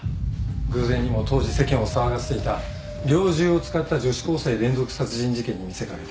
偶然にも当時世間を騒がせていた猟銃を使った女子高生連続殺人事件に見せ掛けて。